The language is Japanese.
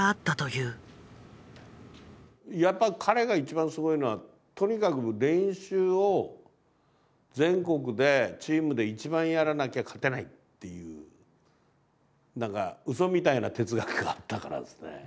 やっぱ彼が一番すごいのはとにかく練習を全国でチームで一番やらなきゃ勝てないっていうなんかうそみたいな哲学があったからですね。